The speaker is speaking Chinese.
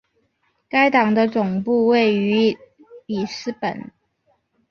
该党的总部位于里斯本。